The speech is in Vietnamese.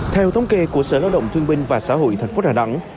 theo thống kê của sở lao động thương binh và xã hội thành phố đà nẵng